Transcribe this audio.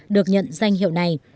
được nhận danh hiệu này